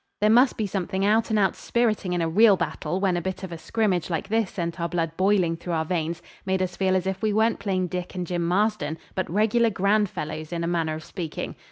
There must be something out and out spiriting in a real battle when a bit of a scrimmage like this sent our blood boiling through our veins; made us feel as if we weren't plain Dick and Jim Marston, but regular grand fellows, in a manner of speaking.